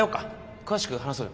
詳しく話そうよ。